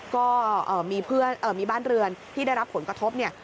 ก็มีบ้านเรือนที่ได้รับผลกระทบเนี่ย